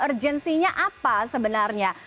urgensinya apa sebenarnya